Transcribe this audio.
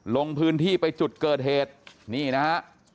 ลงพื้นที่ไปจุดเกิดเหตุนี่นะฮะ